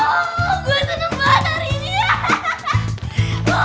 dan uang satu miliar hilang